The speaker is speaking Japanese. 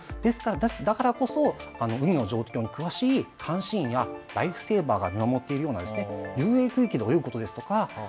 だからこそ海の状況に詳しい監視員やライフセーバーが見守っているような遊泳区域で泳ぐことですとか